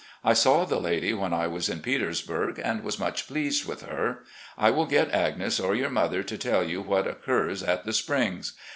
I saw the lady when I was in Petersburg, and was much pleased with her. I will get Agnes or your mother to tell you what occurs at the Springs.